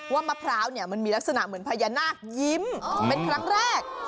มะพร้าวเนี่ยมันมีลักษณะเหมือนพญานาคยิ้มเป็นครั้งแรก